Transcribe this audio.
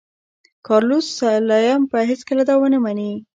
کارلوس سلایم به هېڅکله دا ونه مني.